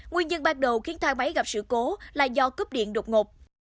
nguyên nhân bắt đầu khiến thang máy gặp sự cố là do cúp điện đột ngột